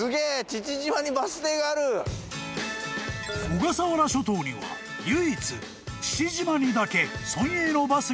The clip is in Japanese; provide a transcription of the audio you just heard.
［小笠原諸島には唯一］